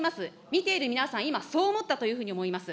見ている皆さん、今、そう思ったというふうに思います。